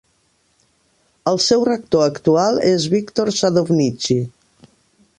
El seu rector actual és Viktor Sadovnichiy.